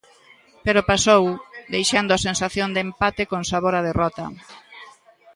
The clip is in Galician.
Pero pasou, deixando a sensación de empate con sabor a derrota.